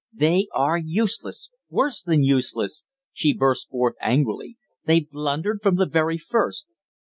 "They are useless worse than useless!" she burst forth angrily; "they blundered from the very first."